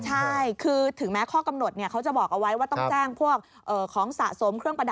ใช่คือถึงแม้ข้อกำหนดเขาจะบอกเอาไว้ว่าต้องแจ้งพวก